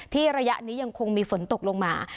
ระยะนี้ยังคงมีฝนตกลงมา